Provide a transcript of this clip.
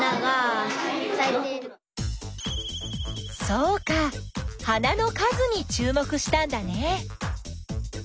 そうか花の数にちゅうもくしたんだね。